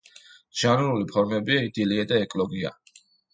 ჟანრული ფორმებია იდილია და ეკლოგა.